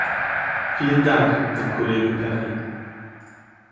Vielen Dank, Herr Kollege Perry.